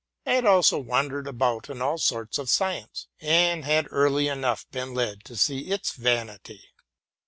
I had also wandered about in all sorts of science, and had early enough been led to see its vanity.